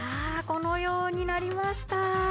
このようになりました！